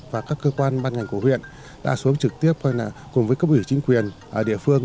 và các cơ quan ban ngành của huyện đã xuống trực tiếp cùng với cấp ủy chính quyền địa phương